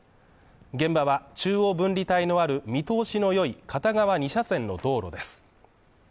現場は中央分離帯のある見通しの良い片側２車線の道路です。